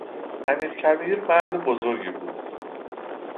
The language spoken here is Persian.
امیرکبیر مرد بزرگی بود.